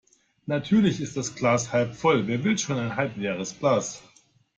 Natürlich ist das Glas halb voll. Wer will schon ein halbleeres Glas?